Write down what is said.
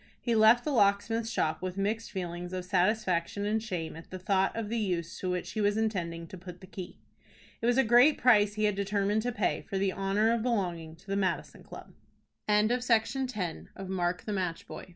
He left the locksmith's shop with mixed feelings of satisfaction and shame at the thought of the use to which he was intending to put the key. It was a great price he had determined to pay for the honor of belonging to the Madison Club. CHAPTER XXI. ROSWELL JOINS THE MADISON CLUB.